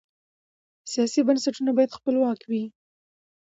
سیاسي بنسټونه باید خپلواک وي